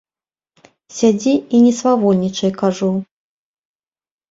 Сядзі і не свавольнічай, кажу.